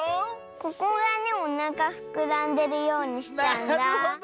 ここがねおなかふくらんでるようにしたんだ。